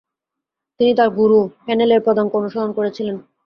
তিনি তাঁর গুরু হেনেলের পদাঙ্ক অনুসরণ করেছিলেন।